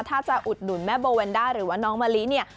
ถ้าจะอุดหนุนแม่โบแวนด้าหรือว่าน้องมะลิเนี่ย